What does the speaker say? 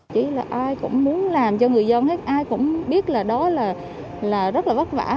chỉ là ai cũng muốn làm cho người dân ai cũng biết là đó là rất là vất vả